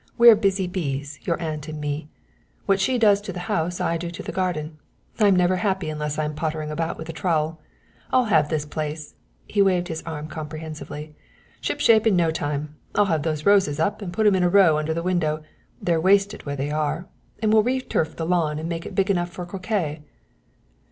We're busy bees, your aunt and me; what she does to the house I do to the garden. I'm never happy unless I'm pottering about with a trowel. I'll have this place," he waved his arm comprehensively, "shipshape in no time. I'll have those roses up and put 'em in a row under the window, they're wasted where they are, and we'll re turf the lawn and make it big enough for croquet."